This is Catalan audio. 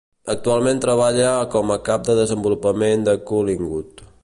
Actualment treballa com a cap de desenvolupament a Collingwood.